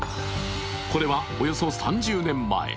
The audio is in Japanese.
これはおよそ３０年前。